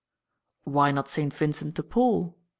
"Why not Saint Vincent de Paul?"